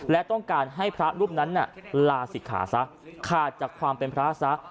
และต้องการให้พระรูปนั้นลาศิกขาซะขาดจากความเป็นพระซะ